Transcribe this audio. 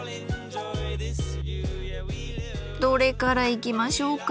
どれからいきましょうか。